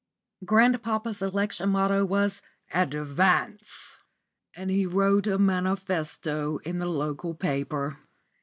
Grandpapa's election motto was "Advance," and he wrote a manifesto in the local paper.